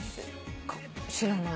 知らない。